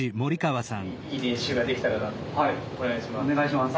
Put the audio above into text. お願いします。